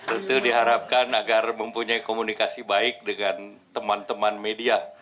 itu diharapkan agar mempunyai komunikasi baik dengan teman teman media